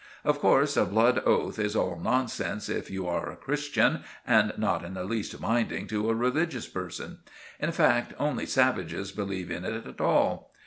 Of course a blood oath is all nonsense if you are a Christian, and not in the least binding to a religious person. In fact, only savages believe in it at all.